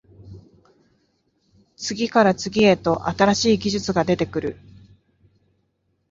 次から次へと新しい技術が出てくる